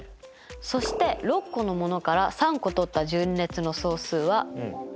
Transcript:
そして６個のものから３個とった順列の総数は。